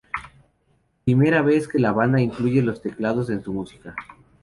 Primera vez que la banda incluye los teclados en su música.